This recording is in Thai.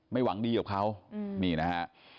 หวังดีกับเขานี่นะฮะ